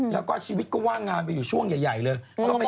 แล้วก็ชีวิตก็ว่างงานไปอยู่ช่วงใหญ่เลย